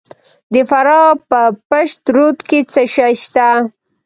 د فراه په پشت رود کې څه شی شته؟